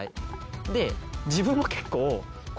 で自分も結構。